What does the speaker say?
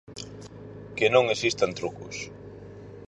Que non existan trucos.